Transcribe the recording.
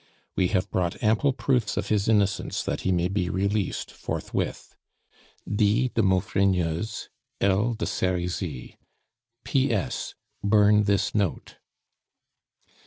We have brought ample proofs of his innocence that he may be released forthwith. "D. DE MAUFRIGNEUSE. "L. DE SERIZY. "P. S. Burn this note."